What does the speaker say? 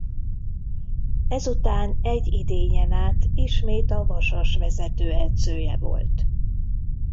Ezután egy idényen át ismét a Vasas vezetőedzője volt.